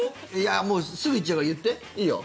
すぐいっちゃうから言っていいよ。